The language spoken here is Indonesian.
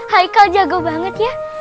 haikal jago banget ya